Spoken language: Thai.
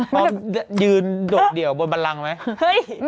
พอยืนดดเดี่ยวบนบันรังอะไรไหม